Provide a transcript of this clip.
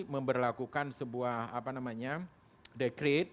melakukan sebuah dekret